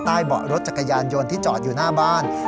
เบาะรถจักรยานยนต์ที่จอดอยู่หน้าบ้าน